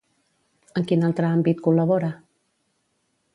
En quin altre àmbit col·labora?